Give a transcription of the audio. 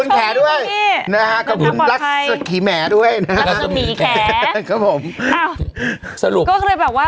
แค่ด้วยนะครับจับหลักสภิแหมด้วยนะครับผม